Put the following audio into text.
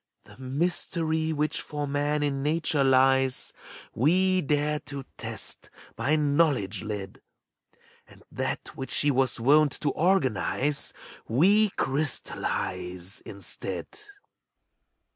The mystery which for Man in Nature lies We dare to test, by knowledge led; And that which she was wont to organize We crystallize, instead.